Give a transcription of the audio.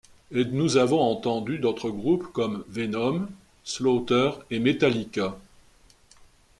Et d'nous avons entendu d'autres groupes comme Venom, Slaughter et Metallica.